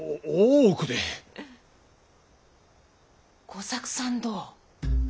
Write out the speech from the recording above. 吾作さんどう！？